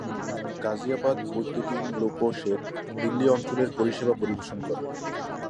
গাজিয়াবাদ বৈদ্যুতিন loco shed Delhi অঞ্চলের পরিষেবা পরিবেশন করে।